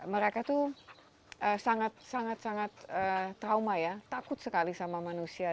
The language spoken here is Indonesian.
mereka tuh sangat sangat trauma ya takut sekali sama manusia